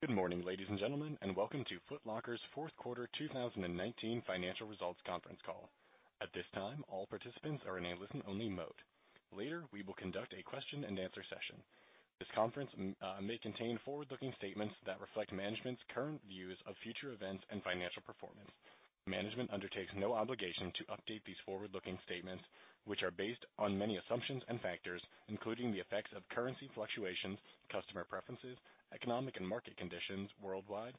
Good morning, ladies and gentlemen, welcome to Foot Locker's Fourth Quarter 2019 Financial Results conference call. At this time, all participants are in a listen-only mode. Later, we will conduct a question and answer session. This conference may contain forward-looking statements that reflect management's current views of future events and financial performance. Management undertakes no obligation to update these forward-looking statements, which are based on many assumptions and factors, including the effects of currency fluctuations, customer preferences, economic and market conditions worldwide,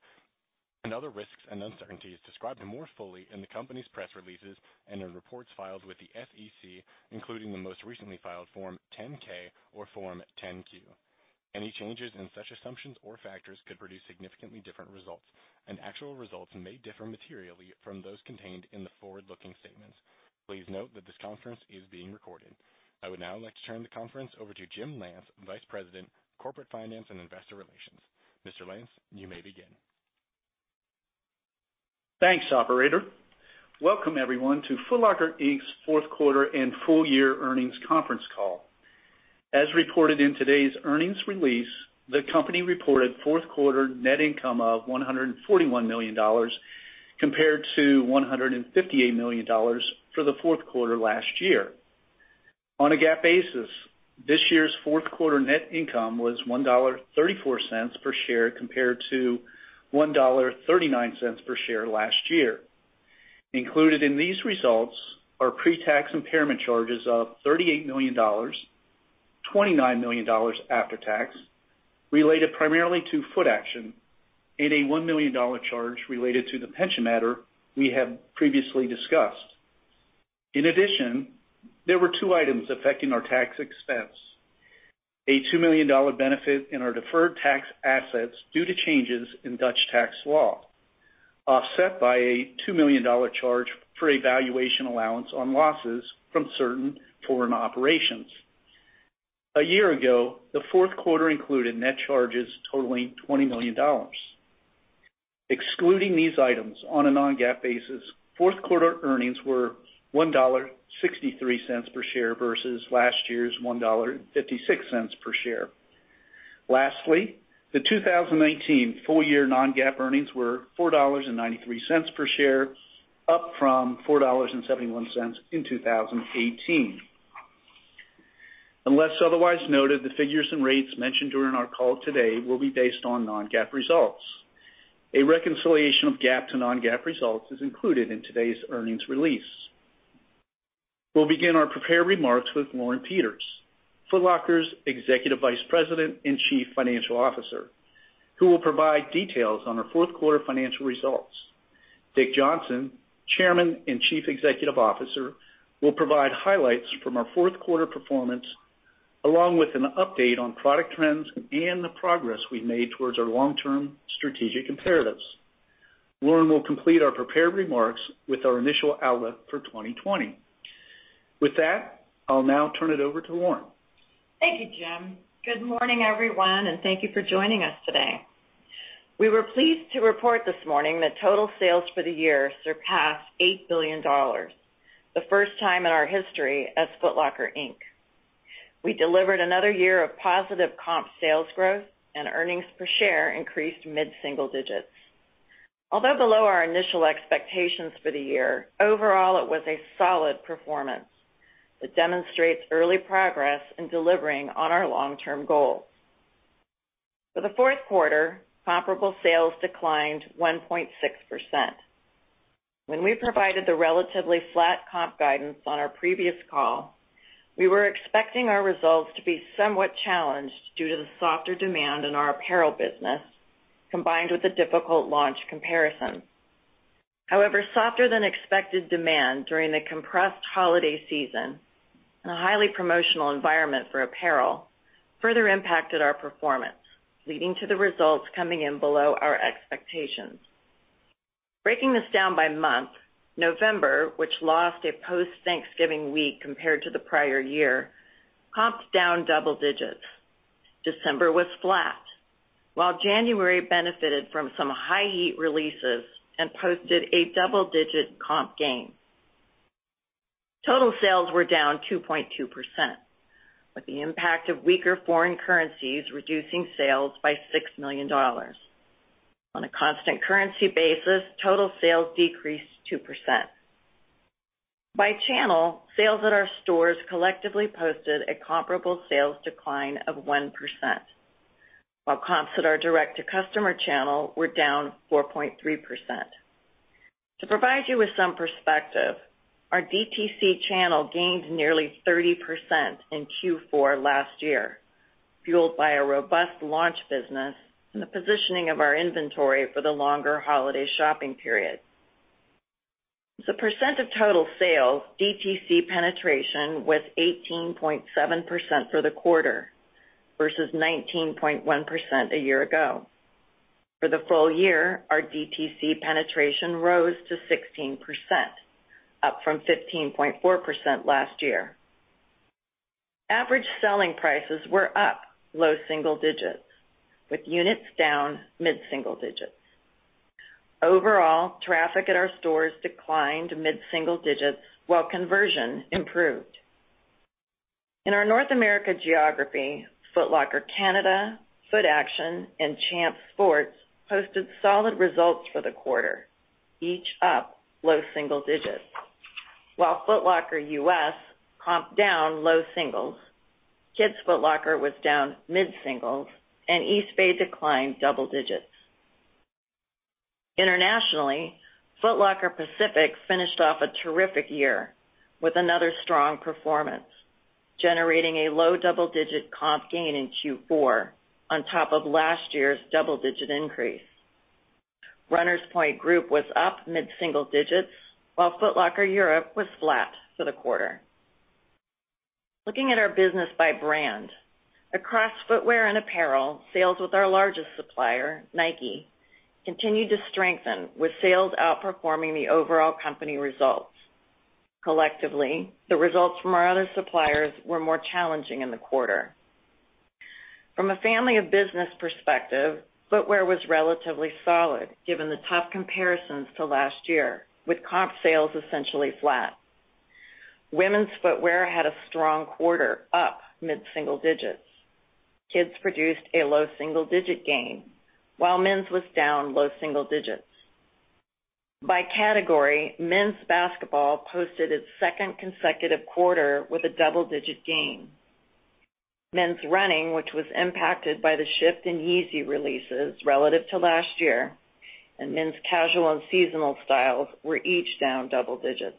and other risks and uncertainties described more fully in the company's press releases and in reports filed with the SEC, including the most recently filed Form 10-K or Form 10-Q. Any changes in such assumptions or factors could produce significantly different results, and actual results may differ materially from those contained in the forward-looking statements. Please note that this conference is being recorded. I would now like to turn the conference over to Jim Lance, Vice President, Corporate Finance and Investor Relations. Mr. Lance, you may begin. Thanks, operator. Welcome everyone to Foot Locker, Inc's Fourth Quarter and Full Year Earnings Conference Call. As reported in today's earnings release, the company reported fourth quarter net income of $141 million compared to $158 million for the fourth quarter last year. On a GAAP basis, this year's fourth quarter net income was $1.34 per share compared to $1.39 per share last year. Included in these results are pre-tax impairment charges of $38 million, $29 million after tax, related primarily to Footaction, and a $1 million charge related to the pension matter we have previously discussed. In addition, there were two items affecting our tax expense. A $2 million benefit in our deferred tax assets due to changes in Dutch tax law, offset by a $2 million charge for a valuation allowance on losses from certain foreign operations. A year ago, the fourth quarter included net charges totaling $20 million. Excluding these items on a non-GAAP basis, fourth quarter earnings were $1.63 per share versus last year's $1.56 per share. Lastly, the 2019 full year non-GAAP earnings were $4.93 per share, up from $4.71 in 2018. Unless otherwise noted, the figures and rates mentioned during our call today will be based on non-GAAP results. A reconciliation of GAAP to non-GAAP results is included in today's earnings release. We'll begin our prepared remarks with Lauren Peters, Foot Locker's Executive Vice President and Chief Financial Officer, who will provide details on our fourth quarter financial results. Dick Johnson, Chairman and Chief Executive Officer, will provide highlights from our fourth quarter performance, along with an update on product trends and the progress we've made towards our long-term strategic imperatives. Lauren will complete our prepared remarks with our initial outlook for 2020. With that, I'll now turn it over to Lauren. Thank you, Jim. Good morning, everyone, and thank you for joining us today. We were pleased to report this morning that total sales for the year surpassed $8 billion, the first time in our history as Foot Locker, Inc. We delivered another year of positive comp sales growth and earnings per share increased mid-single digits. Although below our initial expectations for the year, overall it was a solid performance that demonstrates early progress in delivering on our long-term goals. For the fourth quarter, comparable sales declined 1.6%. When we provided the relatively flat comp guidance on our previous call, we were expecting our results to be somewhat challenged due to the softer demand in our apparel business, combined with a difficult launch comparison. Softer than expected demand during the compressed holiday season and a highly promotional environment for apparel further impacted our performance, leading to the results coming in below our expectations. Breaking this down by month, November, which lost a post-Thanksgiving week compared to the prior year, comped down double digits. December was flat, while January benefited from some high heat releases and posted a double-digit comp gain. Total sales were down 2.2%, with the impact of weaker foreign currencies reducing sales by $6 million. On a constant currency basis, total sales decreased 2%. By channel, sales at our stores collectively posted a comparable sales decline of 1%, while comps at our direct-to-customer channel were down 4.3%. To provide you with some perspective, our DTC channel gained nearly 30% in Q4 last year, fueled by a robust launch business and the positioning of our inventory for the longer holiday shopping period. As a percent of total sales, DTC penetration was 18.7% for the quarter versus 19.1% a year ago. For the full year, our DTC penetration rose to 16%, up from 15.4% last year. Average selling prices were up low single digits, with units down mid-single digits. Overall, traffic at our stores declined mid-single digits while conversion improved. In our North America geography, Foot Locker Canada, and Champs Sports posted solid results for the quarter, each up low single digits. While Foot Locker U.S. comped down low singles, Kids Foot Locker was down mid-singles, and Eastbay declined double digits. Internationally, Foot Locker Pacific finished off a terrific year with another strong performance, generating a low double-digit comp gain in Q4 on top of last year's double-digit increase. Runners Point Group was up mid-single digits, while Foot Locker Europe was flat for the quarter. Looking at our business by brand, across footwear and apparel, sales with our largest supplier, Nike, continued to strengthen with sales outperforming the overall company results. Collectively, the results from our other suppliers were more challenging in the quarter. From a family of business perspective, footwear was relatively solid given the tough comparisons to last year, with comp sales essentially flat. Women's footwear had a strong quarter, up mid-single digits. Kids produced a low single-digit gain, while men's was down low single digits. By category, men's basketball posted its second consecutive quarter with a double-digit gain. Men's running, which was impacted by the shift in Yeezy releases relative to last year, and men's casual and seasonal styles were each down double digits.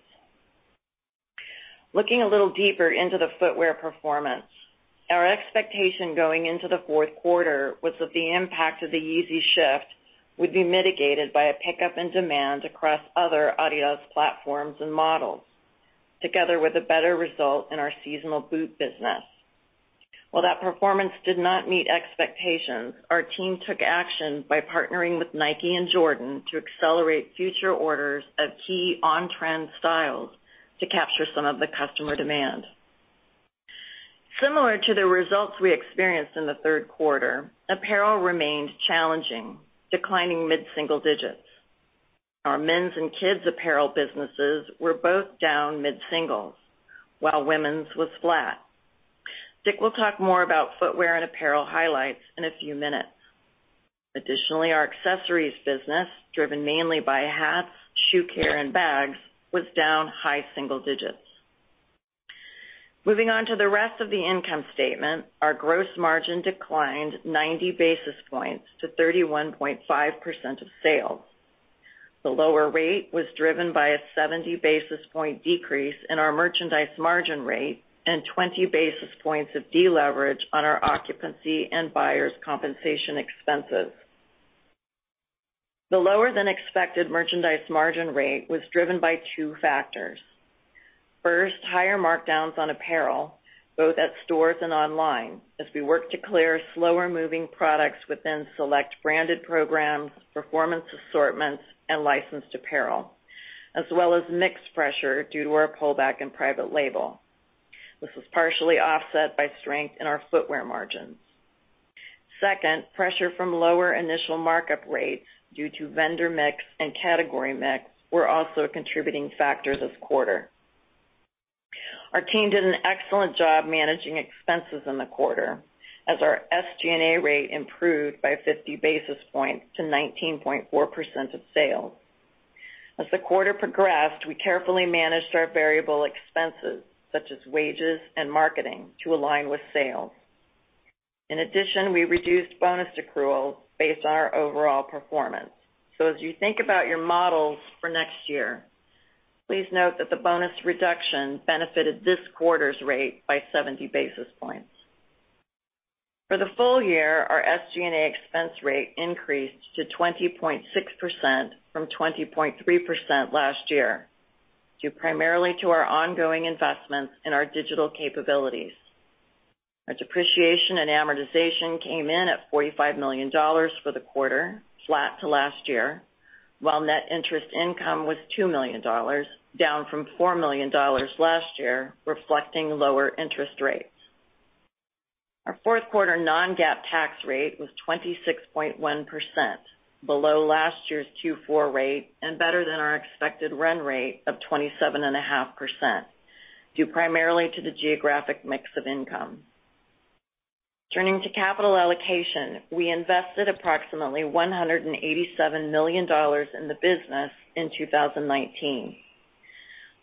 Looking a little deeper into the footwear performance, our expectation going into the fourth quarter was that the impact of the Yeezy shift would be mitigated by a pickup in demand across other Adidas platforms and models, together with a better result in our seasonal boot business. While that performance did not meet expectations, our team took action by partnering with Nike and Jordan to accelerate future orders of key on-trend styles to capture some of the customer demand. Similar to the results we experienced in the third quarter, apparel remained challenging, declining mid-single digits. Our men's and kids apparel businesses were both down mid-singles, while women's was flat. Dick will talk more about footwear and apparel highlights in a few minutes. Additionally, our accessories business, driven mainly by hats, shoe care, and bags, was down high single digits. Moving on to the rest of the income statement, our gross margin declined 90 basis points to 31.5% of sales. The lower rate was driven by a 70 basis point decrease in our merchandise margin rate and 20 basis points of deleverage on our occupancy and buyers' compensation expenses. The lower-than-expected merchandise margin rate was driven by two factors. First, higher markdowns on apparel, both at stores and online, as we work to clear slower-moving products within select branded programs, performance assortments, and licensed apparel, as well as mix pressure due to our pullback in private label. This was partially offset by strength in our footwear margins. Second, pressure from lower initial markup rates due to vendor mix and category mix were also contributing factors this quarter. Our team did an excellent job managing expenses in the quarter as our SG&A rate improved by 50 basis points to 19.4% of sales. As the quarter progressed, we carefully managed our variable expenses, such as wages and marketing, to align with sales. In addition, we reduced bonus accruals based on our overall performance. As you think about your models for next year, please note that the bonus reduction benefited this quarter's rate by 70 basis points. For the full year, our SG&A expense rate increased to 20.6% from 20.3% last year, due primarily to our ongoing investments in our digital capabilities. Our depreciation and amortization came in at $45 million for the quarter, flat to last year, while net interest income was $2 million, down from $4 million last year, reflecting lower interest rates. Our fourth quarter non-GAAP tax rate was 26.1%, below last year's Q4 rate and better than our expected run rate of 27.5%, due primarily to the geographic mix of income. Turning to capital allocation, we invested approximately $187 million in the business in 2019.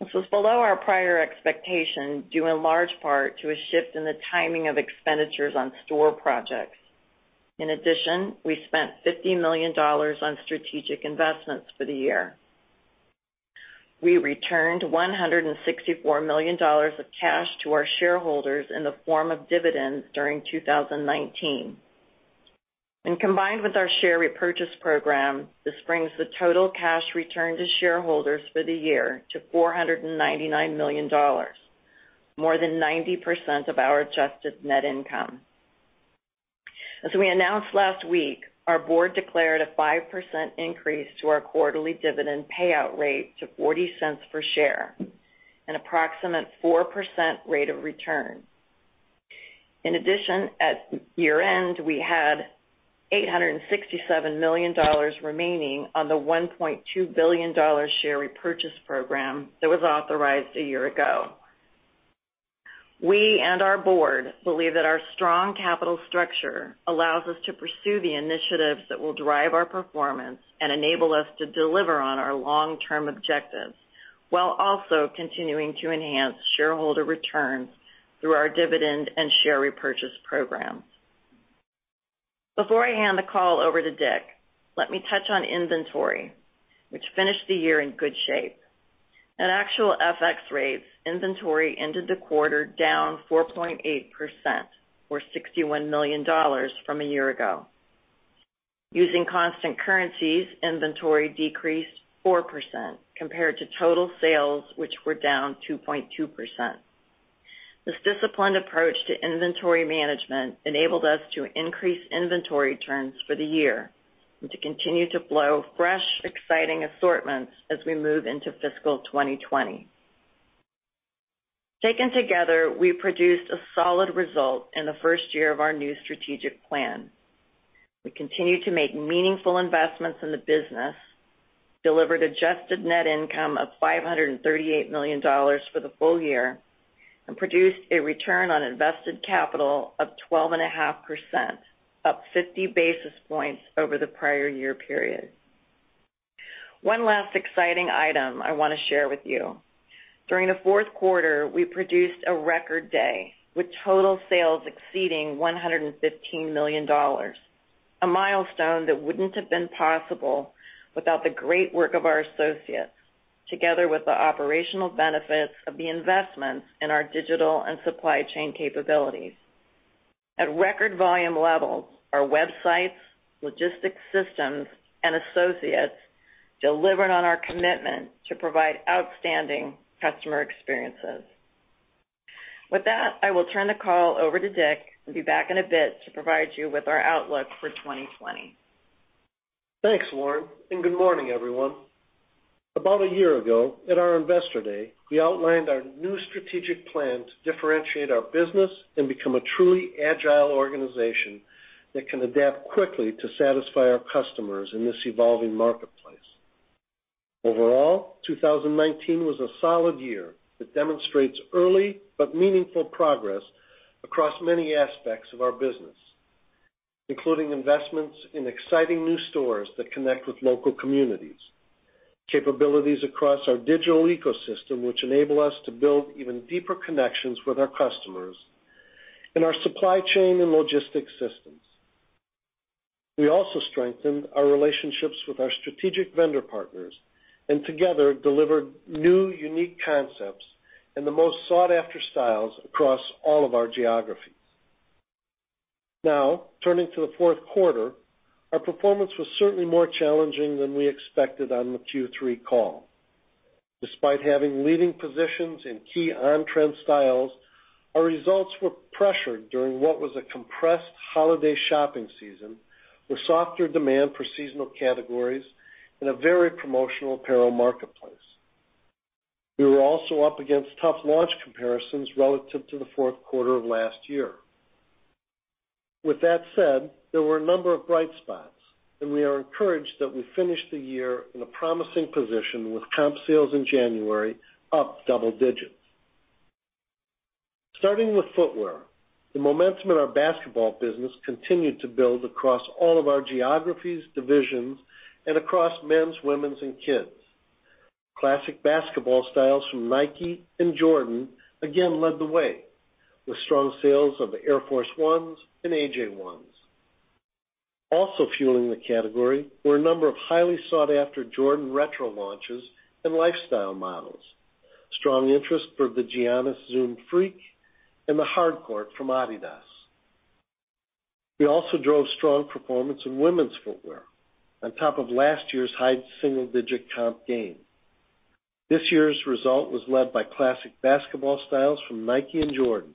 This was below our prior expectation, due in large part to a shift in the timing of expenditures on store projects. In addition, we spent $50 million on strategic investments for the year. We returned $164 million of cash to our shareholders in the form of dividends during 2019. Combined with our share repurchase program, this brings the total cash returned to shareholders for the year to $499 million, more than 90% of our adjusted net income. As we announced last week, our board declared a 5% increase to our quarterly dividend payout rate to $0.40 per share, an approximate 4% rate of return. In addition, at year-end, we had $867 million remaining on the $1.2 billion share repurchase program that was authorized a year ago. We and our board believe that our strong capital structure allows us to pursue the initiatives that will drive our performance and enable us to deliver on our long-term objectives, while also continuing to enhance shareholder returns through our dividend and share repurchase programs. Before I hand the call over to Dick, let me touch on inventory, which finished the year in good shape. At actual FX rates, inventory ended the quarter down 4.8%, or $61 million from a year ago. Using constant currencies, inventory decreased 4%, compared to total sales, which were down 2.2%. This disciplined approach to inventory management enabled us to increase inventory turns for the year and to continue to flow fresh, exciting assortments as we move into fiscal 2020. Taken together, we produced a solid result in the first year of our new strategic plan. We continue to make meaningful investments in the business, delivered adjusted net income of $538 million for the full year, and produced a return on invested capital of 12.5%, up 50 basis points over the prior year period. One last exciting item I want to share with you. During the fourth quarter, we produced a record day, with total sales exceeding $115 million, a milestone that wouldn't have been possible without the great work of our associates, together with the operational benefits of the investments in our digital and supply chain capabilities. At record volume levels, our websites, logistics systems, and associates delivered on our commitment to provide outstanding customer experiences. With that, I will turn the call over to Dick and be back in a bit to provide you with our outlook for 2020. Thanks, Lauren. Good morning, everyone. About a year ago, at our Investor Day, we outlined our new strategic plan to differentiate our business and become a truly agile organization that can adapt quickly to satisfy our customers in this evolving marketplace. Overall, 2019 was a solid year that demonstrates early but meaningful progress across many aspects of our business, including investments in exciting new stores that connect with local communities, capabilities across our digital ecosystem, which enable us to build even deeper connections with our customers, and our supply chain and logistics systems. We also strengthened our relationships with our strategic vendor partners and together delivered new, unique concepts and the most sought-after styles across all of our geographies. Turning to the fourth quarter, our performance was certainly more challenging than we expected on the Q3 call. Despite having leading positions in key on-trend styles, our results were pressured during what was a compressed holiday shopping season with softer demand for seasonal categories in a very promotional apparel marketplace. We were also up against tough launch comparisons relative to the fourth quarter of last year. With that said, there were a number of bright spots, and we are encouraged that we finished the year in a promising position with comp sales in January up double digits. Starting with footwear, the momentum in our basketball business continued to build across all of our geographies, divisions, and across men's, women's, and kids. Classic basketball styles from Nike and Jordan again led the way, with strong sales of Air Force 1s and AJ1s. Also fueling the category were a number of highly sought-after Jordan retro launches and lifestyle models. Strong interest for the Giannis Zoom Freak and the Harden from Adidas. We also drove strong performance in women's footwear on top of last year's high single-digit comp gain. This year's result was led by classic basketball styles from Nike and Jordan.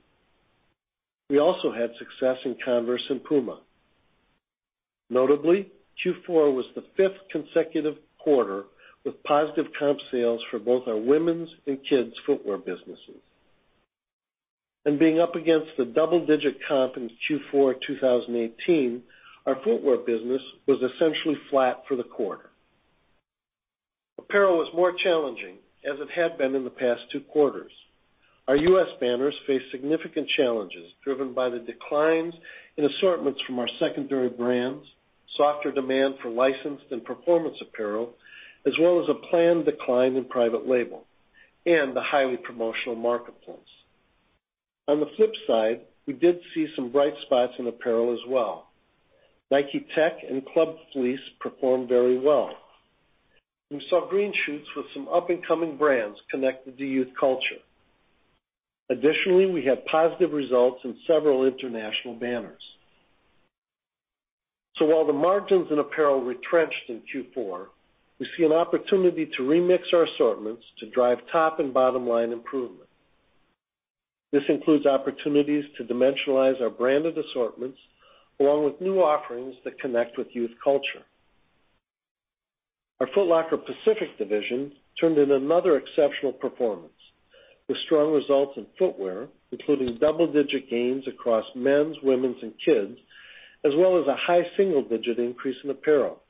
We also had success in Converse and Puma. Notably, Q4 was the fifth consecutive quarter with positive comp sales for both our women's and kids' footwear businesses. Being up against the double-digit comp in Q4 2018, our footwear business was essentially flat for the quarter. Apparel was more challenging, as it had been in the past two quarters. Our U.S. banners faced significant challenges driven by the declines in assortments from our secondary brands, softer demand for licensed and performance apparel, as well as a planned decline in private label and the highly promotional marketplace. On the flip side, we did see some bright spots in apparel as well. Nike Tech and Club Fleece performed very well. We saw green shoots with some up-and-coming brands connected to youth culture. Additionally, we had positive results in several international banners. While the margins in apparel retrenched in Q4, we see an opportunity to remix our assortments to drive top and bottom-line improvement. This includes opportunities to dimensionalize our branded assortments, along with new offerings that connect with youth culture. Our Foot Locker Pacific division turned in another exceptional performance with strong results in footwear, including double-digit gains across men's, women's, and kids, as well as a high single-digit increase in apparel.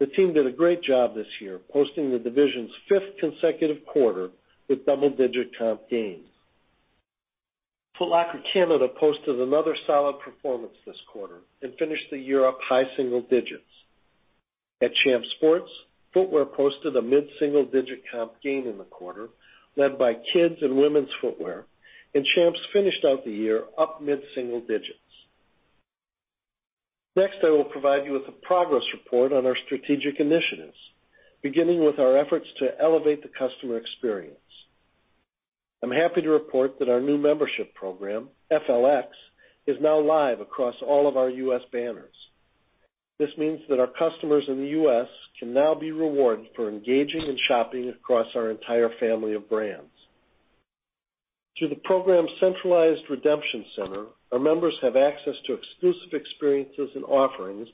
The team did a great job this year, posting the division's fifth consecutive quarter with double-digit comp gains. Foot Locker Canada posted another solid performance this quarter and finished the year up high single digits. At Champs Sports, footwear posted a mid-single digit comp gain in the quarter, led by kids' and women's footwear. Champs finished out the year up mid-single digits. I will provide you with a progress report on our strategic initiatives, beginning with our efforts to elevate the customer experience. I'm happy to report that our new membership program, FLX, is now live across all of our U.S. banners. This means that our customers in the U.S. can now be rewarded for engaging in shopping across our entire family of brands. Through the program's centralized redemption center, our members have access to exclusive experiences and offerings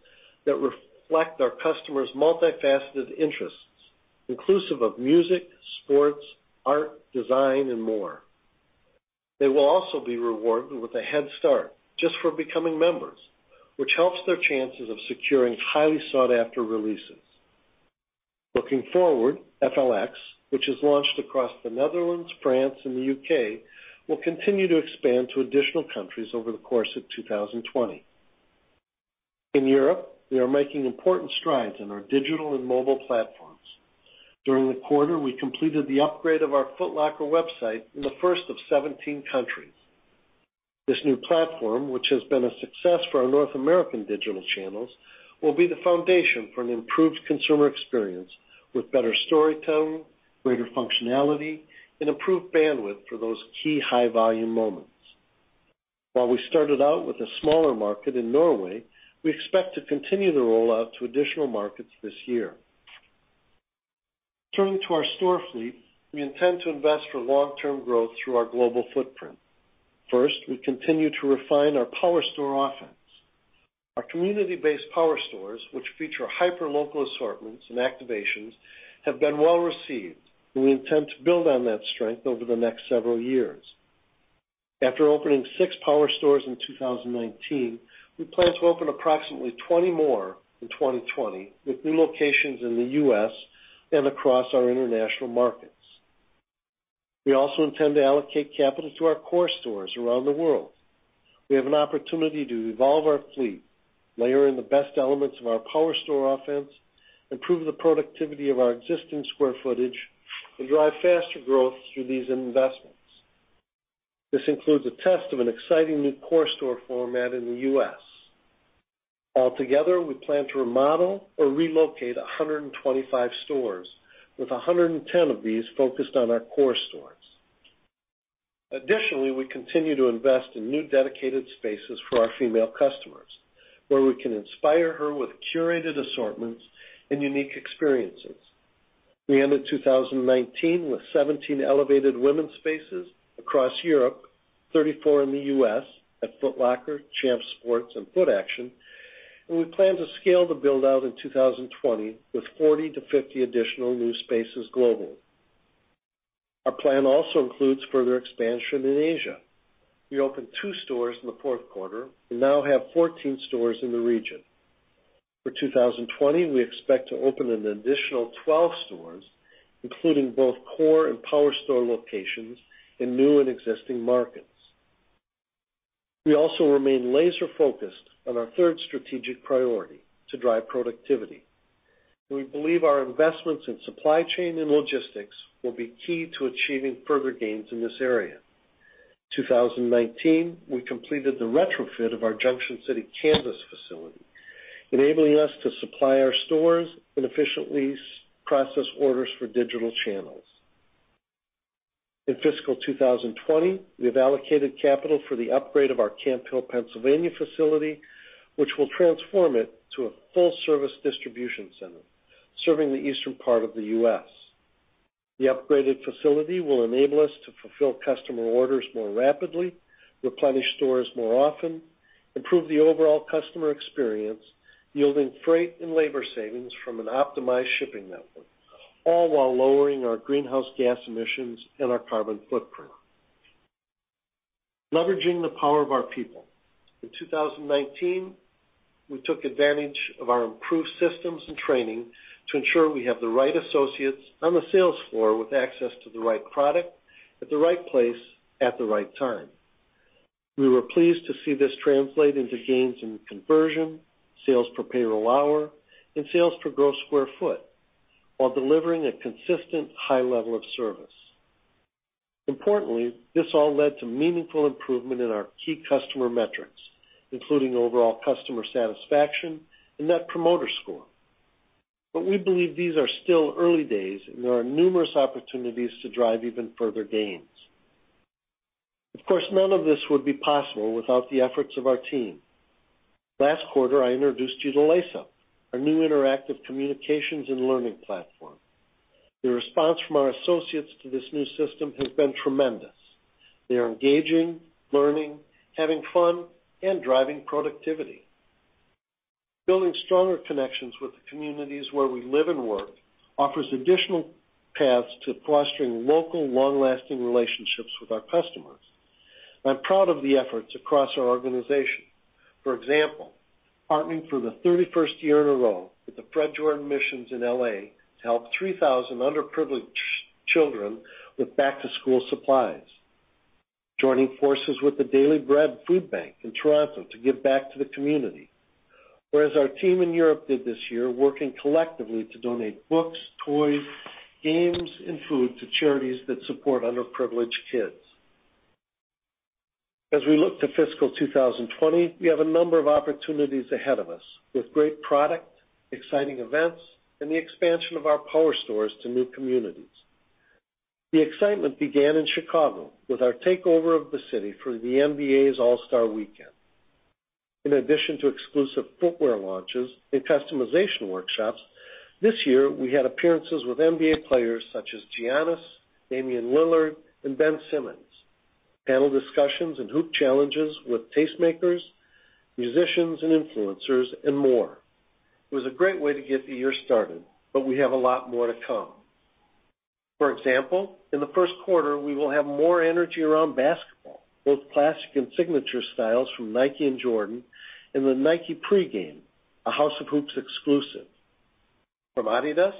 that reflect our customers' multifaceted interests, inclusive of music, sports, art, design, and more. They will also be rewarded with a head start just for becoming members, which helps their chances of securing highly sought-after releases. Looking forward, FLX, which is launched across the Netherlands, France, and the U.K., will continue to expand to additional countries over the course of 2020. In Europe, we are making important strides in our digital and mobile platforms. During the quarter, we completed the upgrade of our Foot Locker website in the first of 17 countries. This new platform, which has been a success for our North American digital channels, will be the foundation for an improved consumer experience with better storytelling, greater functionality, and improved bandwidth for those key high-volume moments. While we started out with a smaller market in Norway, we expect to continue to roll out to additional markets this year. Turning to our store fleet, we intend to invest for long-term growth through our global footprint. First, we continue to refine our power store offense. Our community-based power stores, which feature hyper local assortments and activations, have been well received, and we intend to build on that strength over the next several years. After opening six power stores in 2019, we plan to open approximately 20 more in 2020 with new locations in the U.S. and across our international markets. We also intend to allocate capital to our core stores around the world. We have an opportunity to evolve our fleet, layer in the best elements of our power store offense, improve the productivity of our existing square footage, and drive faster growth through these investments. This includes a test of an exciting new core store format in the U.S. Altogether, we plan to remodel or relocate 125 stores, with 110 of these focused on our core stores. Additionally, we continue to invest in new dedicated spaces for our female customers, where we can inspire her with curated assortments and unique experiences. We ended 2019 with 17 elevated women's spaces across Europe, 34 in the U.S. at Foot Locker, Champs Sports, and Footaction, and we plan to scale the build-out in 2020 with 40 to 50 additional new spaces globally. Our plan also includes further expansion in Asia. We opened two stores in the fourth quarter and now have 14 stores in the region. For 2020, we expect to open an additional 12 stores, including both core and power store locations in new and existing markets. We also remain laser-focused on our third strategic priority to drive productivity, and we believe our investments in supply chain and logistics will be key to achieving further gains in this area. 2019, we completed the retrofit of our Junction City, Kansas facility, enabling us to supply our stores and efficiently process orders for digital channels. In fiscal 2020, we have allocated capital for the upgrade of our Camp Hill, Pennsylvania facility, which will transform it to a full-service distribution center serving the eastern part of the U.S. The upgraded facility will enable us to fulfill customer orders more rapidly, replenish stores more often, improve the overall customer experience, yielding freight and labor savings from an optimized shipping network, all while lowering our greenhouse gas emissions and our carbon footprint. Leveraging the power of our people. In 2019, we took advantage of our improved systems and training to ensure we have the right associates on the sales floor with access to the right product at the right place at the right time. We were pleased to see this translate into gains in conversion, sales per payroll hour, and sales per gross square foot, while delivering a consistent high level of service. Importantly, this all led to meaningful improvement in our key customer metrics, including overall customer satisfaction and net promoter score. We believe these are still early days, and there are numerous opportunities to drive even further gains. Of course, none of this would be possible without the efforts of our team. Last quarter, I introduced you to LISSA, our new interactive communications and learning platform. The response from our associates to this new system has been tremendous. They are engaging, learning, having fun, and driving productivity. Building stronger connections with the communities where we live and work offers additional paths to fostering local, long-lasting relationships with our customers. I'm proud of the efforts across our organization. For example, partnering for the 31st year in a row with the Fred Jordan Mission in L.A. to help 3,000 underprivileged children with back-to-school supplies. Joining forces with the Daily Bread Food Bank in Toronto to give back to the community. As our team in Europe did this year, working collectively to donate books, toys, games, and food to charities that support underprivileged kids. As we look to fiscal 2020, we have a number of opportunities ahead of us, with great product, exciting events, and the expansion of our power stores to new communities. The excitement began in Chicago with our takeover of the city for the NBA's All-Star Weekend. In addition to exclusive footwear launches and customization workshops, this year we had appearances with NBA players such as Giannis, Damian Lillard, and Ben Simmons, panel discussions and hoop challenges with tastemakers, musicians, and influencers, and more. It was a great way to get the year started, but we have a lot more to come. For example, in the first quarter, we will have more energy around basketball, both classic and signature styles from Nike and Jordan, and the Nike Pregame, a House of Hoops exclusive. From Adidas,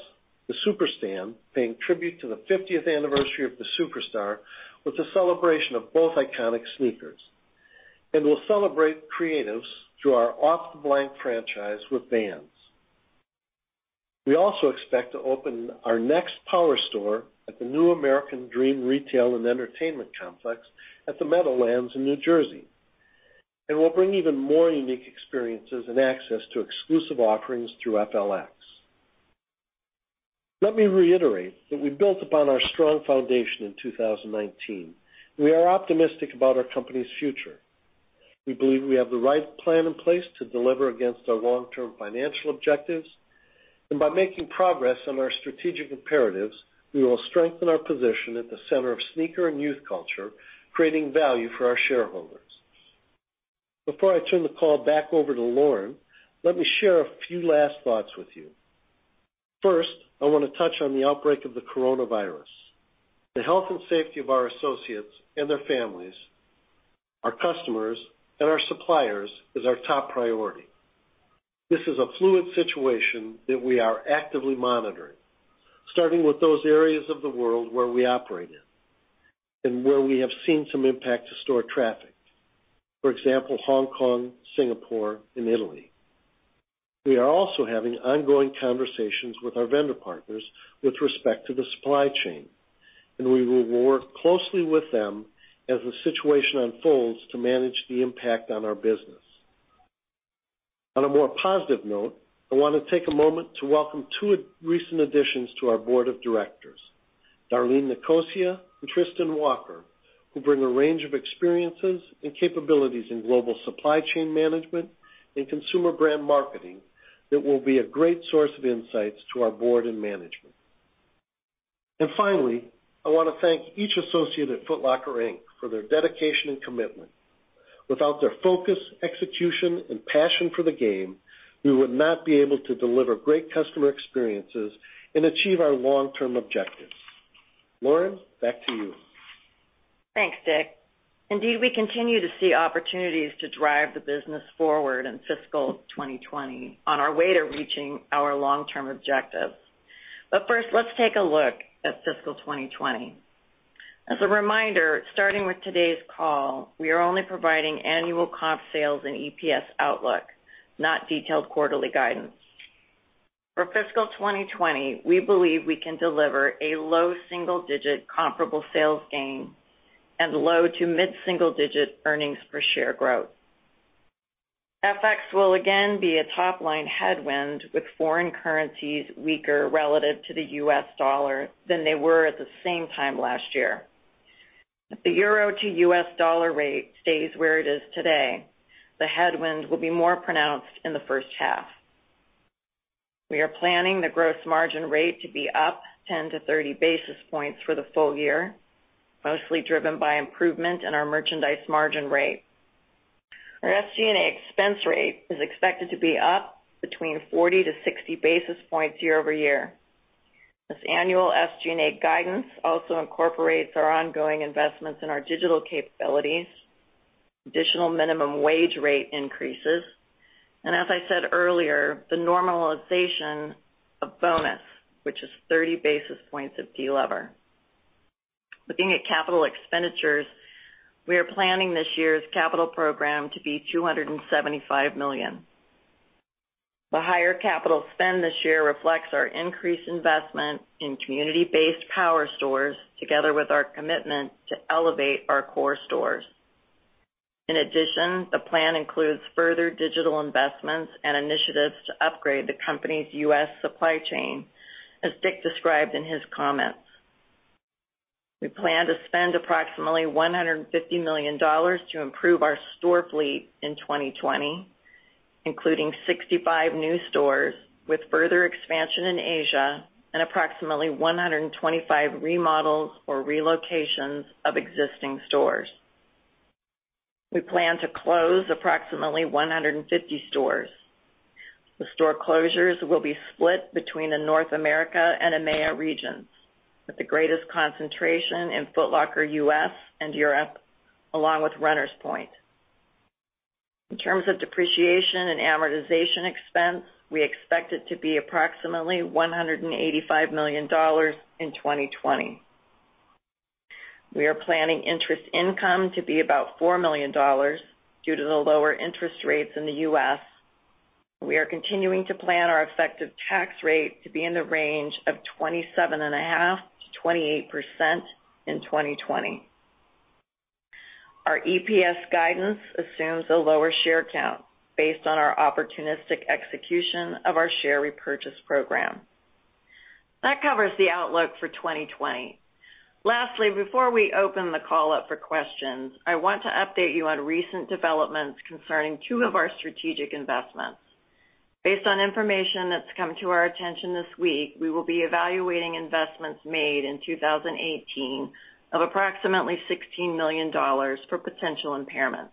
the Superstan, paying tribute to the 50th anniversary of the Superstar, with a celebration of both iconic sneakers. We'll celebrate creatives through our Off The Blank franchise with Vans. We also expect to open our next power store at the new American Dream retail and entertainment complex at the Meadowlands in New Jersey, and we'll bring even more unique experiences and access to exclusive offerings through FLX. Let me reiterate that we built upon our strong foundation in 2019. We are optimistic about our company's future. We believe we have the right plan in place to deliver against our long-term financial objectives, and by making progress on our strategic imperatives, we will strengthen our position at the center of sneaker and youth culture, creating value for our shareholders. Before I turn the call back over to Lauren, let me share a few last thoughts with you. First, I want to touch on the outbreak of the coronavirus. The health and safety of our associates and their families, our customers, and our suppliers is our top priority. This is a fluid situation that we are actively monitoring, starting with those areas of the world where we operate in and where we have seen some impact to store traffic. For example, Hong Kong, Singapore, and Italy. We are also having ongoing conversations with our vendor partners with respect to the supply chain, and we will work closely with them as the situation unfolds to manage the impact on our business. On a more positive note, I want to take a moment to welcome two recent additions to our board of directors, Darlene Nicosia and Tristan Walker, who bring a range of experiences and capabilities in global supply chain management and consumer brand marketing that will be a great source of insights to our board and management. Finally, I want to thank each associate at Foot Locker, Inc for their dedication and commitment. Without their focus, execution, and passion for the game, we would not be able to deliver great customer experiences and achieve our long-term objectives. Lauren, back to you. Thanks, Dick. Indeed, we continue to see opportunities to drive the business forward in fiscal 2020 on our way to reaching our long-term objectives. First, let's take a look at fiscal 2020. As a reminder, starting with today's call, we are only providing annual comp sales and EPS outlook, not detailed quarterly guidance. For fiscal 2020, we believe we can deliver a low single-digit comparable sales gain and low to mid single-digit earnings per share growth. FX will again be a top-line headwind with foreign currencies weaker relative to the U.S. dollar than they were at the same time last year. If the euro to U.S. dollar rate stays where it is today, the headwind will be more pronounced in the first half. We are planning the gross margin rate to be up 10-30 basis points for the full year, mostly driven by improvement in our merchandise margin rate. Our SG&A expense rate is expected to be up between 40-60 basis points year-over-year. This annual SG&A guidance also incorporates our ongoing investments in our digital capabilities, additional minimum wage rate increases, and as I said earlier, the normalization of bonus, which is 30 basis points of delever. Looking at capital expenditures, we are planning this year's capital program to be $275 million. The higher capital spend this year reflects our increased investment in community-based power stores together with our commitment to elevate our core stores. In addition, the plan includes further digital investments and initiatives to upgrade the company's U.S. supply chain, as Dick described in his comments. We plan to spend approximately $150 million to improve our store fleet in 2020, including 65 new stores with further expansion in Asia and approximately 125 remodels or relocations of existing stores. We plan to close approximately 150 stores. The store closures will be split between the North America and EMEA regions, with the greatest concentration in Foot Locker U.S. and Europe, along with Runners Point. In terms of depreciation and amortization expense, we expect it to be approximately $185 million in 2020. We are planning interest income to be about $4 million due to the lower interest rates in the U.S. We are continuing to plan our effective tax rate to be in the range of 27.5%-28% in 2020. Our EPS guidance assumes a lower share count based on our opportunistic execution of our share repurchase program. That covers the outlook for 2020. Lastly, before we open the call up for questions, I want to update you on recent developments concerning two of our strategic investments. Based on information that's come to our attention this week, we will be evaluating investments made in 2018 of approximately $16 million for potential impairments.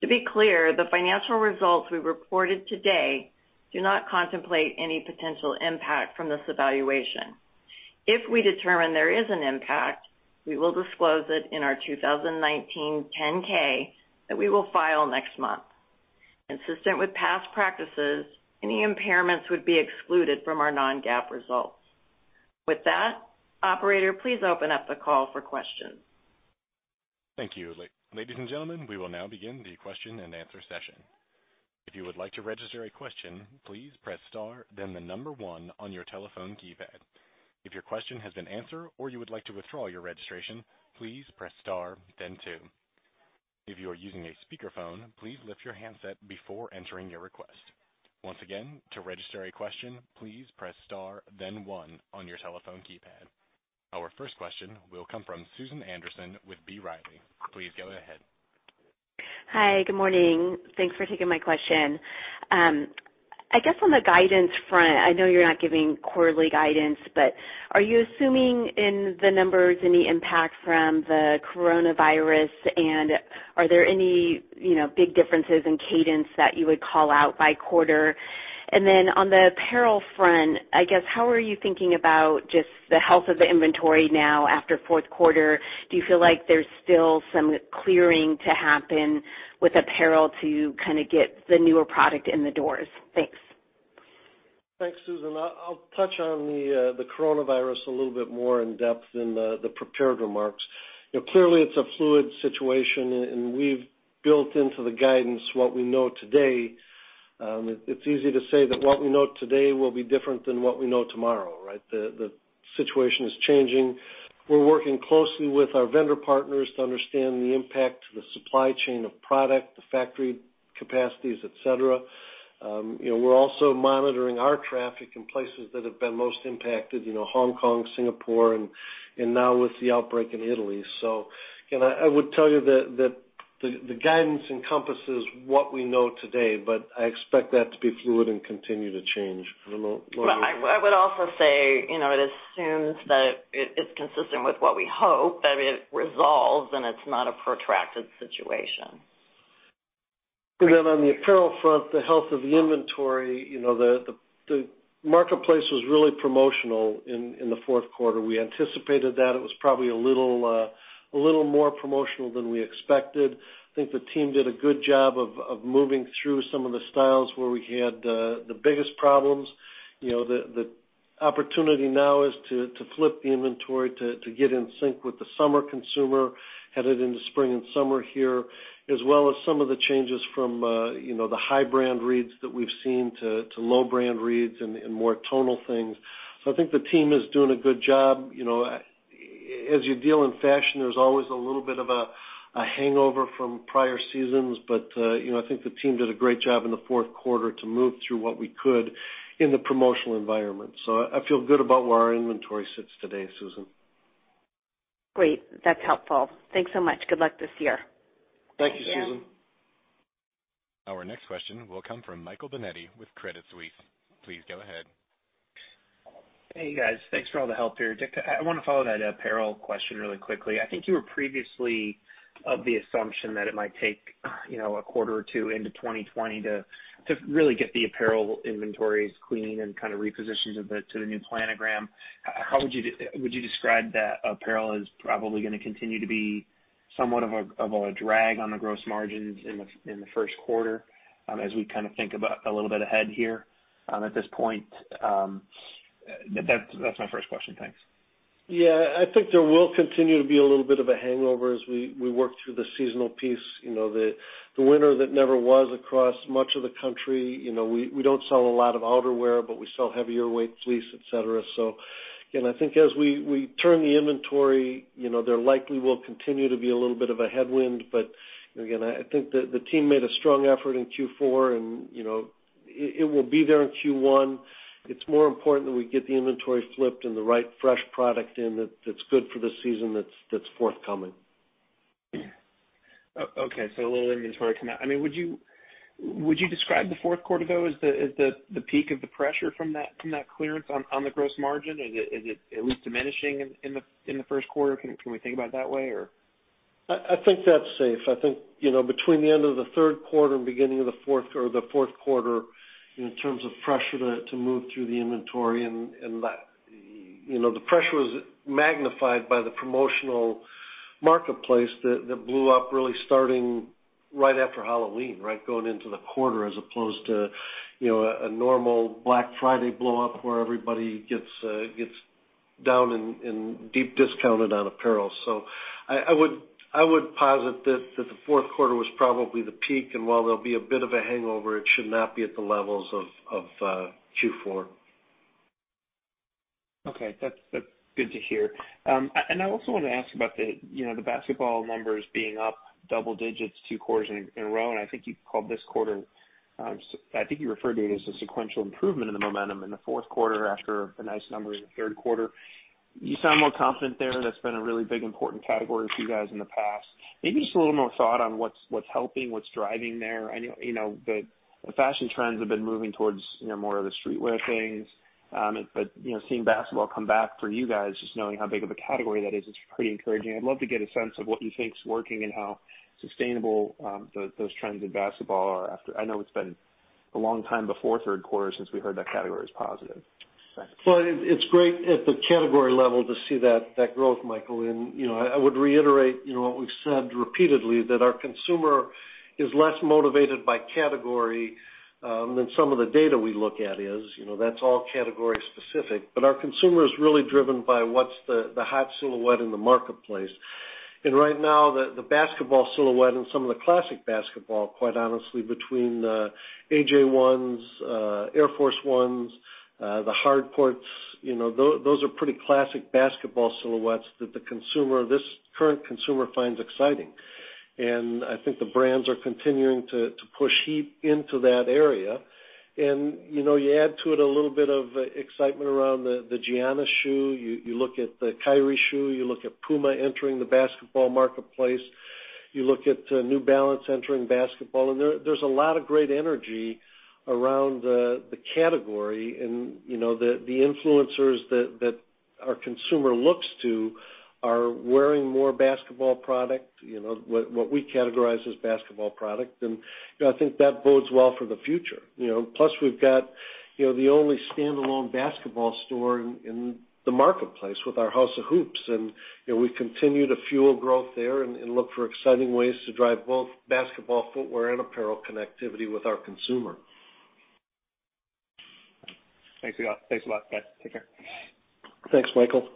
To be clear, the financial results we reported today do not contemplate any potential impact from this evaluation. If we determine there is an impact, we will disclose it in our 2019 10-K that we will file next month. Consistent with past practices, any impairments would be excluded from our non-GAAP results. With that, operator, please open up the call for questions. Thank you. Ladies and gentlemen, we will now begin the question and answer session. If you would like to register a question, please press star, then the number one on your telephone keypad. If your question has been answered or you would like to withdraw your registration, please press star, then two. If you are using a speakerphone, please lift your handset before entering your request. Once again, to register a question, please press star, then one on your telephone keypad. Our first question will come from Susan Anderson with B. Riley. Please go ahead. Hi. Good morning. Thanks for taking my question. I guess on the guidance front, I know you're not giving quarterly guidance, but are you assuming in the numbers any impact from the coronavirus, and are there any big differences in cadence that you would call out by quarter? Then on the apparel front, I guess, how are you thinking about just the health of the inventory now after fourth quarter? Do you feel like there's still some clearing to happen with apparel to kind of get the newer product in the doors? Thanks. Thanks, Susan. I'll touch on the coronavirus a little bit more in-depth in the prepared remarks. Clearly, it's a fluid situation. We've built into the guidance what we know today. It's easy to say that what we know today will be different than what we know tomorrow, right? The situation is changing. We're working closely with our vendor partners to understand the impact to the supply chain of product, the factory capacities, et cetera. We're also monitoring our traffic in places that have been most impacted, Hong Kong, Singapore, and now with the outbreak in Italy. I would tell you that the guidance encompasses what we know today, but I expect that to be fluid and continue to change. I don't know, Lauren. I would also say, it assumes that it is consistent with what we hope, that it resolves, and it's not a protracted situation. On the apparel front, the health of the inventory, the marketplace was really promotional in the fourth quarter. We anticipated that. It was probably a little more promotional than we expected. I think the team did a good job of moving through some of the styles where we had the biggest problems. The opportunity now is to flip the inventory to get in sync with the summer consumer headed into spring and summer here, as well as some of the changes from the high brand reads that we've seen to low brand reads and more tonal things. I think the team is doing a good job. As you deal in fashion, there's always a little bit of a hangover from prior seasons, but I think the team did a great job in the fourth quarter to move through what we could in the promotional environment. I feel good about where our inventory sits today, Susan. Great. That's helpful. Thanks so much. Good luck this year. Thank you, Susan. Thank you. Our next question will come from Michael Binetti with Credit Suisse. Please go ahead. Hey, guys. Thanks for all the help here. Dick, I want to follow that apparel question really quickly. I think you were previously of the assumption that it might take a quarter or two into 2020 to really get the apparel inventories clean and kind of repositioned to the new planogram. Would you describe that apparel is probably going to continue to be somewhat of a drag on the gross margins in the first quarter as we kind of think about a little bit ahead here at this point? That's my first question. Thanks. Yeah, I think there will continue to be a little bit of a hangover as we work through the seasonal piece. The winter that never was across much of the country. We don't sell a lot of outerwear, but we sell heavier weight fleece, et cetera. Again, I think as we turn the inventory, there likely will continue to be a little bit of a headwind. Again, I think the team made a strong effort in Q4, and it will be there in Q1. It's more important that we get the inventory flipped and the right fresh product in that's good for the season that's forthcoming. Okay. A little inventory come out. Would you describe the fourth quarter, though, as the peak of the pressure from that clearance on the gross margin? Is it at least diminishing in the first quarter? Can we think about it that way or? I think that's safe. I think, between the end of the third quarter and beginning of the fourth quarter, in terms of pressure to move through the inventory and the pressure was magnified by the promotional marketplace that blew up really starting right after Halloween, going into the quarter, as opposed to a normal Black Friday blowup, where everybody gets down and deep discounted on apparel. I would posit that the fourth quarter was probably the peak, and while there'll be a bit of a hangover, it should not be at the levels of Q4. Okay. That's good to hear. I also want to ask about the basketball numbers being up double digits two quarters in a row, and I think you referred to it as a sequential improvement in the momentum in the fourth quarter after the nice numbers in the third quarter. You sound more confident there. That's been a really big, important category for you guys in the past. Maybe just a little more thought on what's helping, what's driving there. I know the fashion trends have been moving towards more of the streetwear things. Seeing basketball come back for you guys, just knowing how big of a category that is, it's pretty encouraging. I'd love to get a sense of what you think is working and how sustainable those trends in basketball are after. I know it's been a long time before third quarter since we heard that category was positive. Well, it's great at the category level to see that growth, Michael. I would reiterate, what we've said repeatedly, that our consumer is less motivated by category than some of the data we look at is. That's all category specific, our consumer is really driven by what's the hot silhouette in the marketplace. Right now, the basketball silhouette and some of the classic basketball, quite honestly, between AJ1s, Air Force 1s, the Harden, those are pretty classic basketball silhouettes that this current consumer finds exciting. I think the brands are continuing to push deep into that area. You add to it a little bit of excitement around the Giannis shoe. You look at the Kyrie shoe, you look at Puma entering the basketball marketplace, you look at New Balance entering basketball, and there's a lot of great energy around the category. The influencers that our consumer looks to are wearing more basketball product, what we categorize as basketball product. I think that bodes well for the future. Plus, we've got the only standalone basketball store in the marketplace with our House of Hoops, and we continue to fuel growth there and look for exciting ways to drive both basketball footwear and apparel connectivity with our consumer. Thanks a lot, guys. Take care. Thanks, Michael.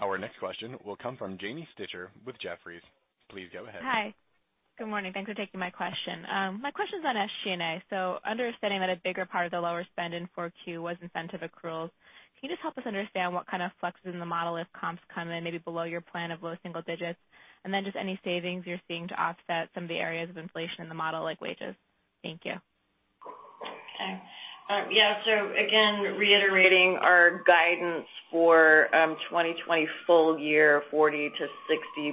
Our next question will come from Janine Stichter with Jefferies. Please go ahead. Hi. Good morning. Thanks for taking my question. My question's on SG&A. Understanding that a bigger part of the lower spend in 4Q was incentive accruals, can you just help us understand what kind of flex is in the model if comps come in maybe below your plan of low single digits? Just any savings you're seeing to offset some of the areas of inflation in the model, like wages. Thank you. Okay. Yeah. Again, reiterating our guidance for 2020 full year, 40-60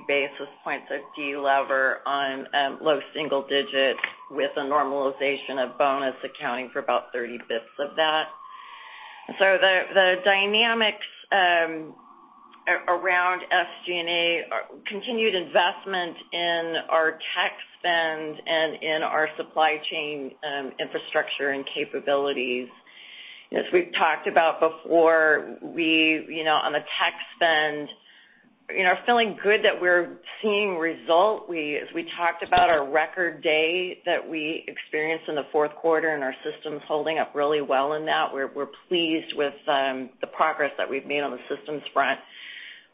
basis points of delever on low single digits with a normalization of bonus accounting for about 30 basis points of that. The dynamics around SG&A are continued investment in our tech spend and in our supply chain infrastructure and capabilities. As we've talked about before, on the tech spend, feeling good that we're seeing results. As we talked about our record day that we experienced in the fourth quarter and our systems holding up really well in that. We're pleased with the progress that we've made on the systems front.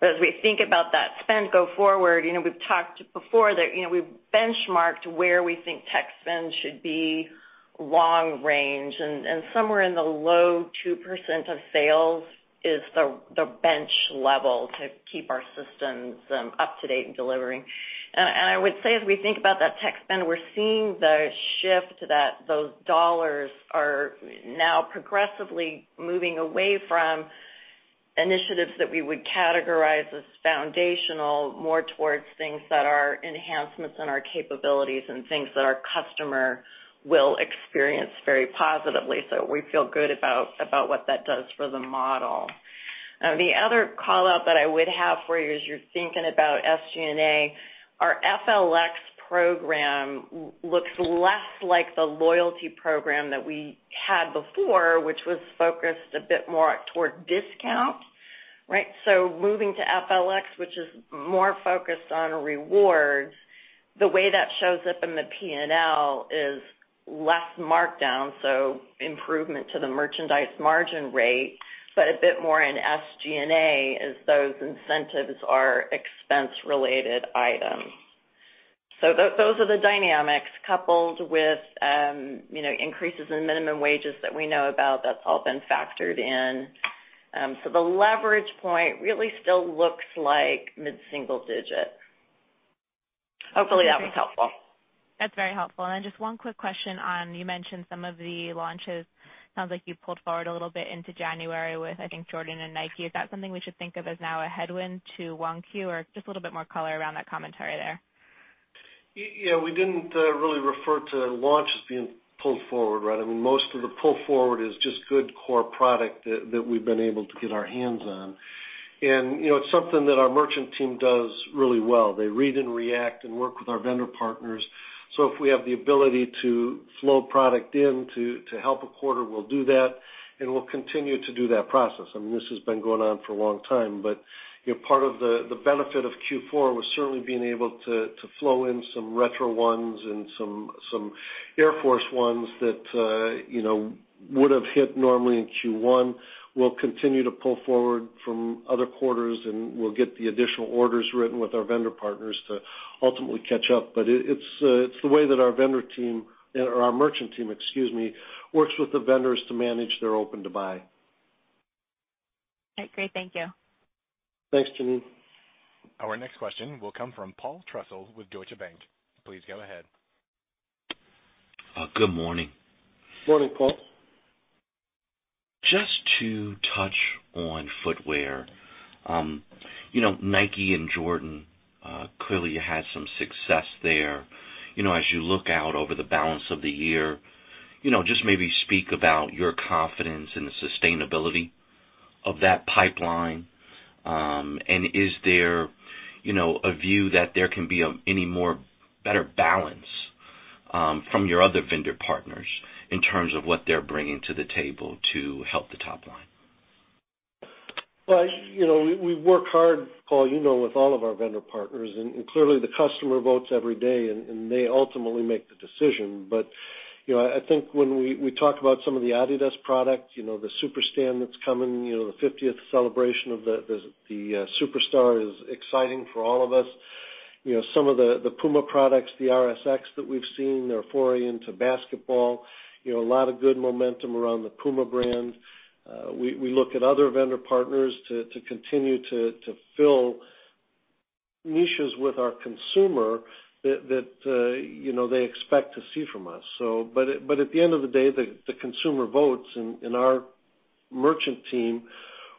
As we think about that spend go forward, we've talked before that we've benchmarked where we think tech spend should be long range, and somewhere in the low 2% of sales is the bench level to keep our systems up to date and delivering. I would say as we think about that tech spend, we're seeing the shift that those U.S. dollars are now progressively moving away from initiatives that we would categorize as foundational, more towards things that are enhancements in our capabilities and things that our customer will experience very positively. The other call-out that I would have for you as you're thinking about SG&A, our FLX program looks less like the loyalty program that we had before, which was focused a bit more toward discount. Moving to FLX, which is more focused on rewards, the way that shows up in the P&L is less markdown, so improvement to the merchandise margin rate, but a bit more in SG&A as those incentives are expense related items. Those are the dynamics coupled with increases in minimum wages that we know about. That's all been factored in. The leverage point really still looks like mid-single digit. Hopefully that was helpful. That's very helpful. Just one quick question on, you mentioned some of the launches. Sounds like you pulled forward a little bit into January with, I think, Jordan and Nike. Is that something we should think of as now a headwind to 1Q or just a little bit more color around that commentary there? Yeah, we didn't really refer to launches being pulled forward, right? Most of the pull forward is just good core product that we've been able to get our hands on. It's something that our merchant team does really well. They read and react and work with our vendor partners. If we have the ability to flow product in to help a quarter, we'll do that, and we'll continue to do that process. This has been going on for a long time, part of the benefit of Q4 was certainly being able to flow in some Retro 1s and some Air Force 1s that would have hit normally in Q1. We'll continue to pull forward from other quarters, and we'll get the additional orders written with our vendor partners to ultimately catch up. It's the way that our vendor team, or our merchant team, excuse me, works with the vendors to manage their open-to-buy. All right, great. Thank you. Thanks, Janine. Our next question will come from Paul Trussell with Deutsche Bank. Please go ahead. Good morning. Morning, Paul. Just to touch on footwear. Nike and Jordan clearly had some success there. As you look out over the balance of the year, just maybe speak about your confidence in the sustainability of that pipeline. Is there a view that there can be any more better balance from your other vendor partners in terms of what they're bringing to the table to help the top line? Well, we work hard, Paul, you know with all of our vendor partners, and clearly the customer votes every day, and they ultimately make the decision. I think when we talk about some of the Adidas products, the Superstar that's coming, the 50th celebration of the Superstar is exciting for all of us. Some of the Puma products, the RS-X that we've seen, their foray into basketball. A lot of good momentum around the Puma brand. We look at other vendor partners to continue to fill niches with our consumer that they expect to see from us. At the end of the day, the consumer votes, and our merchant team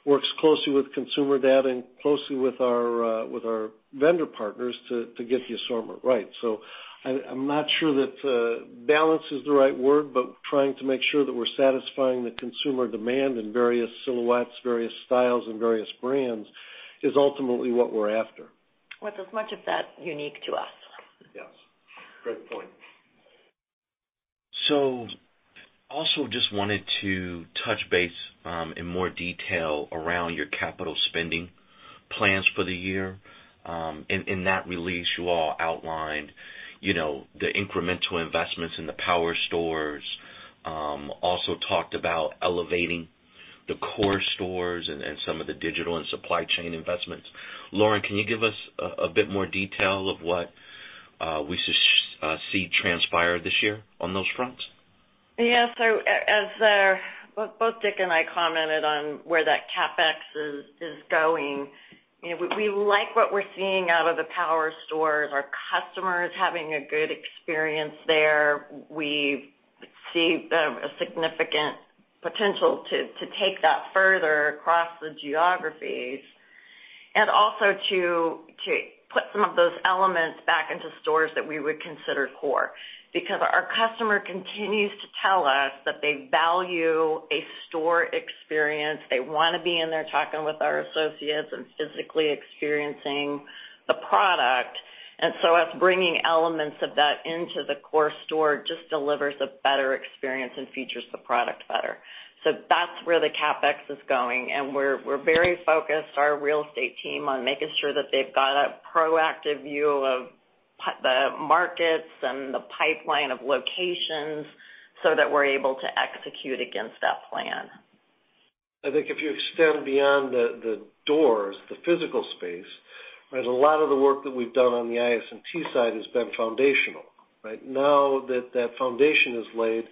works closely with consumer data and closely with our vendor partners to get the assortment right. I'm not sure that balance is the right word, but trying to make sure that we're satisfying the consumer demand in various silhouettes, various styles, and various brands is ultimately what we're after. With as much of that unique to us. Yes. Great point. Also just wanted to touch base in more detail around your capital spending plans for the year. In that release, you all outlined the incremental investments in the power stores, also talked about elevating the core stores and some of the digital and supply chain investments. Lauren, can you give us a bit more detail of what we should see transpire this year on those fronts? As both Dick and I commented on where that CapEx is going, we like what we're seeing out of the power stores. Our customers having a good experience there. We see a significant potential to take that further across the geographies and also to put some of those elements back into stores that we would consider core because our customer continues to tell us that they value a store experience. They want to be in there talking with our associates and physically experiencing the product. Us bringing elements of that into the core store just delivers a better experience and features the product better. That's where the CapEx is going, and we're very focused, our real estate team, on making sure that they've got a proactive view of the markets and the pipeline of locations so that we're able to execute against that plan. I think if you extend beyond the doors, the physical space, a lot of the work that we've done on the IS&T side has been foundational, right? Now that that foundation is laid,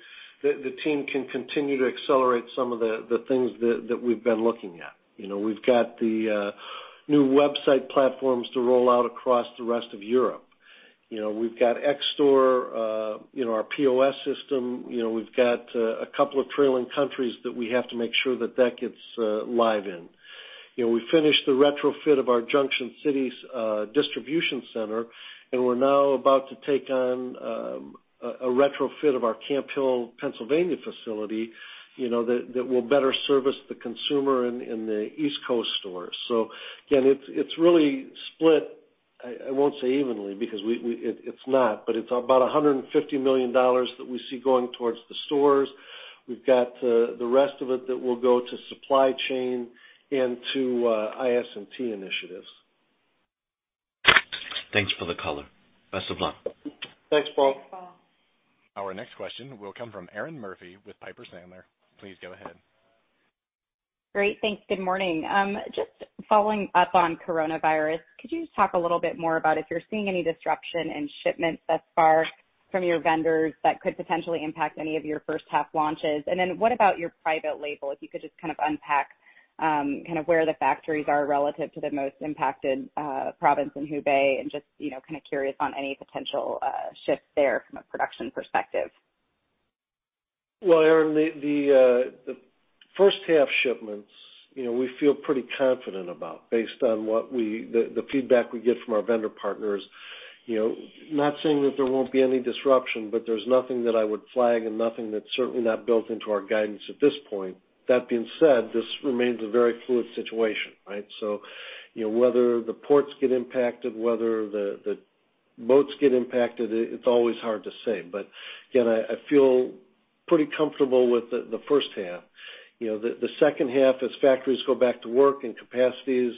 the team can continue to accelerate some of the things that we've been looking at. We've got the new website platforms to roll out across the rest of Europe. We've got Xstore, our POS system. We've got a couple of trailing countries that we have to make sure that that gets live in. We finished the retrofit of our Junction City distribution center, and we're now about to take on a retrofit of our Camp Hill, Pennsylvania facility, that will better service the consumer in the East Coast stores. Again, it's really split, I won't say evenly, because it's not, but it's about $150 million that we see going towards the stores. We've got the rest of it that will go to supply chain and to IS&T initiatives. Thanks for the color. Best of luck. Thanks, Paul. Thanks, Paul. Our next question will come from Erinn Murphy with Piper Sandler. Please go ahead. Great. Thanks. Good morning. Just following up on coronavirus, could you just talk a little bit more about if you're seeing any disruption in shipments thus far? From your vendors that could potentially impact any of your first half launches. Then what about your private label? If you could just unpack where the factories are relative to the most impacted province in Hubei, and just curious on any potential shifts there from a production perspective. Well, Erinn, the first half shipments, we feel pretty confident about based on the feedback we get from our vendor partners. Not saying that there won't be any disruption, there's nothing that I would flag and nothing that's certainly not built into our guidance at this point. That being said, this remains a very fluid situation. Whether the ports get impacted, whether the boats get impacted, it's always hard to say. Again, I feel pretty comfortable with the first half. The second half, as factories go back to work and capacities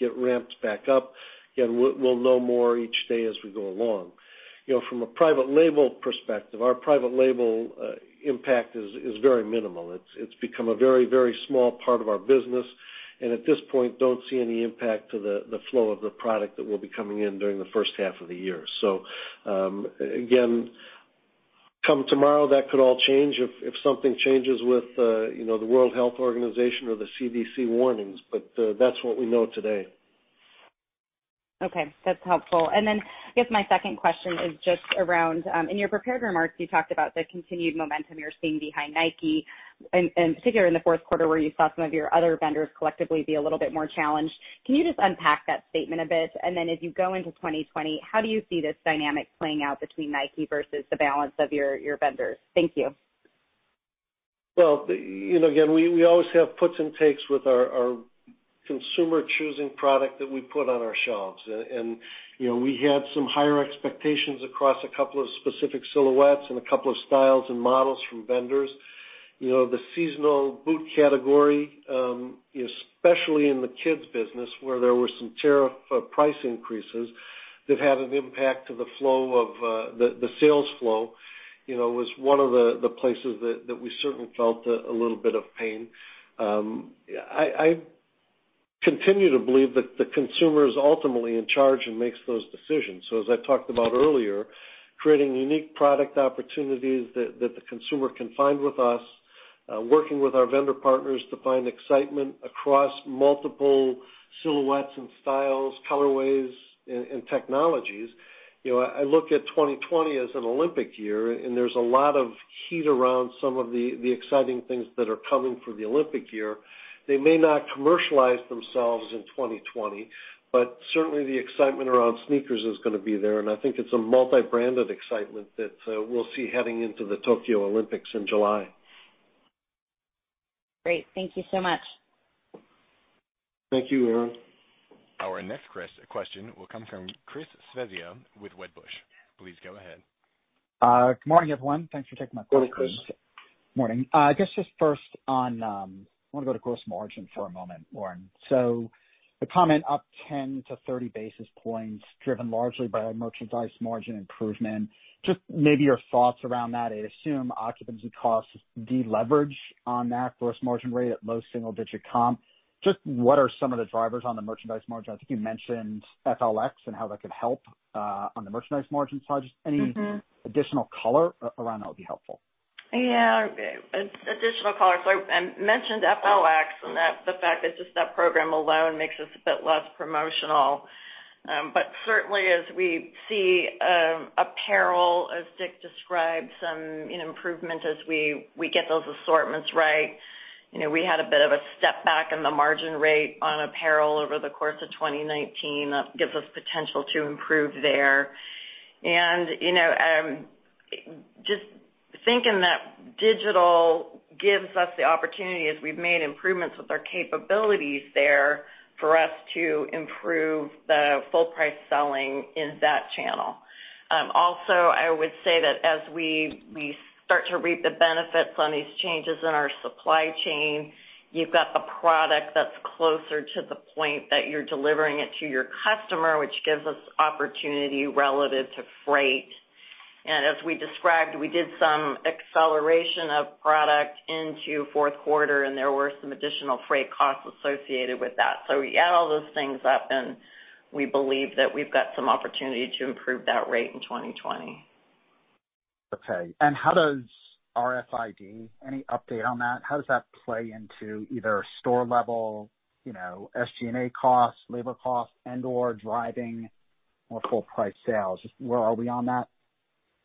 get ramped back up, again, we'll know more each day as we go along. From a private label perspective, our private label impact is very minimal. It's become a very, very small part of our business. At this point, don't see any impact to the flow of the product that will be coming in during the first half of the year. Again, come tomorrow, that could all change if something changes with the World Health Organization or the CDC warnings. That's what we know today. Okay, that's helpful. I guess my second question is just around, in your prepared remarks, you talked about the continued momentum you're seeing behind Nike and particularly in the fourth quarter, where you saw some of your other vendors collectively be a little bit more challenged. Can you just unpack that statement a bit? As you go into 2020, how do you see this dynamic playing out between Nike versus the balance of your vendors? Thank you. Well, again, we always have puts and takes with our consumer choosing product that we put on our shelves. We had some higher expectations across a couple of specific silhouettes and a couple of styles and models from vendors. The seasonal boot category, especially in the kids business where there were some tariff price increases that had an impact to the sales flow, was one of the places that we certainly felt a little bit of pain. I continue to believe that the consumer is ultimately in charge and makes those decisions. As I talked about earlier, creating unique product opportunities that the consumer can find with us, working with our vendor partners to find excitement across multiple silhouettes and styles, colorways, and technologies. I look at 2020 as an Olympic year. There's a lot of heat around some of the exciting things that are coming for the Olympic year. They may not commercialize themselves in 2020. Certainly the excitement around sneakers is going to be there. I think it's a multi-branded excitement that we'll see heading into the Tokyo Olympics in July. Great. Thank you so much. Thank you, Erinn. Our next question will come from Chris Svezia with Wedbush. Please go ahead. Good morning, everyone. Thanks for taking my call. Morning, Chris. Morning. I guess just first, I want to go to gross margin for a moment, Lauren. The comment up 10-30 basis points, driven largely by a merchandise margin improvement. Just maybe your thoughts around that. I assume occupancy costs deleverage on that gross margin rate at low single digit comp. Just what are some of the drivers on the merchandise margin? I think you mentioned FLX and how that could help on the merchandise margin side. Just any additional color around that would be helpful. Additional color. I mentioned FLX and the fact that just that program alone makes us a bit less promotional. Certainly as we see apparel, as Dick described, some improvement as we get those assortments right. We had a bit of a step back in the margin rate on apparel over the course of 2019. That gives us potential to improve there. Just thinking that digital gives us the opportunity as we've made improvements with our capabilities there for us to improve the full price selling in that channel. Also, I would say that as we start to reap the benefits on these changes in our supply chain, you've got a product that's closer to the point that you're delivering it to your customer, which gives us opportunity relative to freight. As we described, we did some acceleration of product into fourth quarter, and there were some additional freight costs associated with that. We add all those things up, and we believe that we've got some opportunity to improve that rate in 2020. Okay. How does RFID, any update on that? How does that play into either store level, SG&A costs, labor costs, and/or driving more full price sales? Just where are we on that?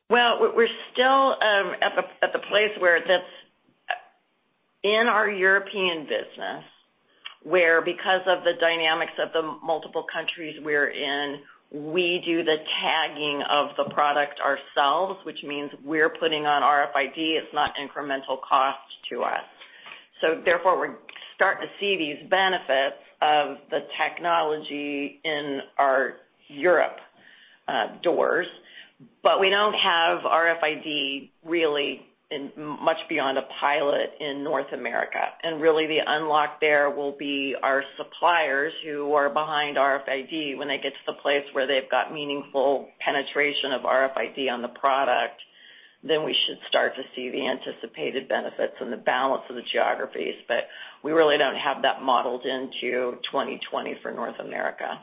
Well, we're still at the place where that's in our European business, where because of the dynamics of the multiple countries we're in, we do the tagging of the product ourselves, which means we're putting on RFID. It's not incremental cost to us. Therefore, we're starting to see these benefits of the technology in our Europe doors. We don't have RFID really in much beyond a pilot in North America. The unlock there will be our suppliers who are behind RFID when they get to the place where they've got meaningful penetration of RFID on the product. Then we should start to see the anticipated benefits in the balance of the geographies. We really don't have that modeled into 2020 for North America.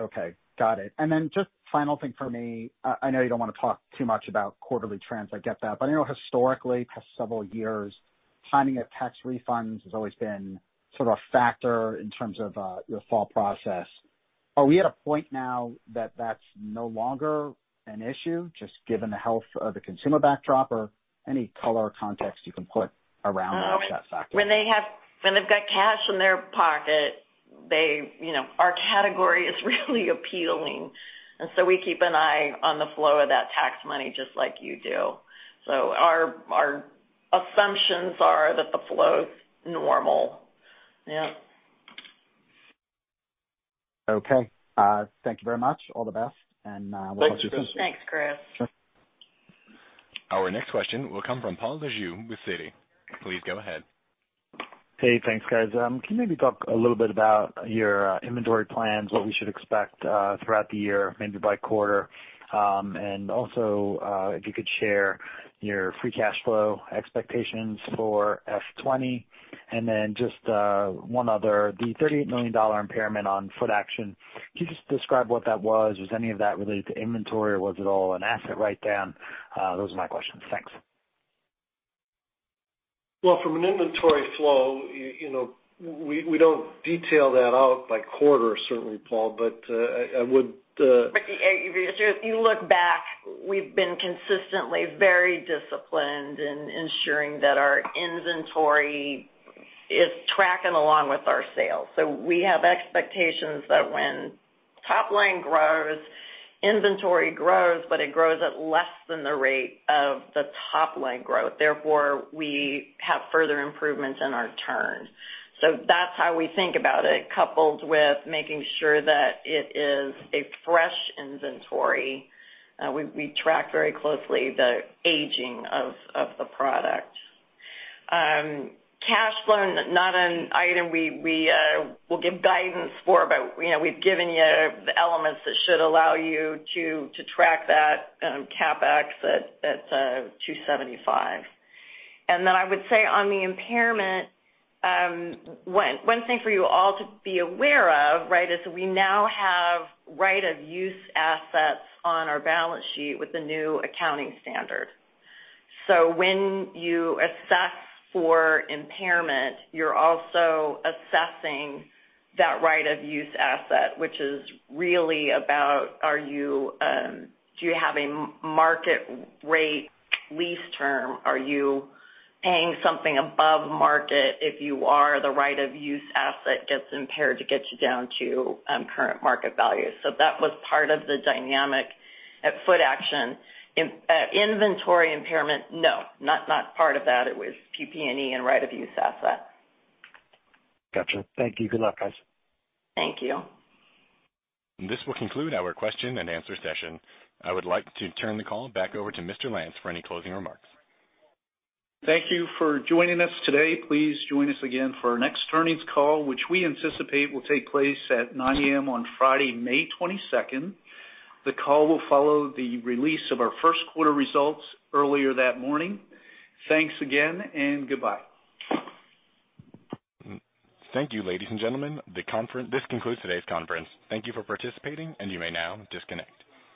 Okay, got it. Just final thing for me, I know you don't want to talk too much about quarterly trends, I get that. I know historically, past several years, timing of tax refunds has always been sort of a factor in terms of your fall process. Are we at a point now that that's no longer an issue, just given the health of the consumer backdrop? Any color or context you can put around that factor. When they've got cash in their pocket, our category is really appealing, and so we keep an eye on the flow of that tax money just like you do. Our assumptions are that the flow is normal. Yep. Okay. Thank you very much. All the best, and we'll talk to you soon. Thanks, Chris. Thanks, Chris. Our next question will come from Paul Lejuez with Citi. Please go ahead. Hey, thanks, guys. Can you maybe talk a little bit about your inventory plans, what we should expect throughout the year, maybe by quarter? Also, if you could share your free cash flow expectations for FY 2020. Just one other, the $38 million impairment on Footaction, can you just describe what that was? Was any of that related to inventory, or was it all an asset write-down? Those are my questions. Thanks. Well, from an inventory flow, we don't detail that out by quarter, certainly, Paul, but I would. If you look back, we've been consistently very disciplined in ensuring that our inventory is tracking along with our sales. We have expectations that when top line grows, inventory grows, but it grows at less than the rate of the top-line growth, therefore, we have further improvements in our turn. That's how we think about it, coupled with making sure that it is a fresh inventory. We track very closely the aging of the product. Cash flow, not an item we will give guidance for, but we've given you the elements that should allow you to track that CapEx at $275. Then I would say on the impairment, one thing for you all to be aware of is we now have right-of-use assets on our balance sheet with the new accounting standard. When you assess for impairment, you're also assessing that right-of-use asset, which is really about do you have a market rate lease term? Are you paying something above market? If you are, the right-of-use asset gets impaired to get you down to current market value. That was part of the dynamic at Footaction. Inventory impairment, no, not part of that. It was PP&E and right-of-use asset. Got you. Thank you. Good luck, guys. Thank you. This will conclude our question and answer session. I would like to turn the call back over to Mr. Lance for any closing remarks. Thank you for joining us today. Please join us again for our next earnings call, which we anticipate will take place at 9:00 A.M. on Friday, May 22nd. The call will follow the release of our first quarter results earlier that morning. Thanks again, and goodbye. Thank you, ladies and gentlemen. This concludes today's conference. Thank you for participating, and you may now disconnect.